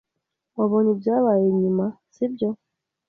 Wabonye ibyabaye inyuma, sibyo?